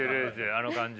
あの感じ。